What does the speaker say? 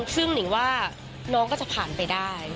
ซึ่งหนิงว่าน้องก็จะผ่านไปได้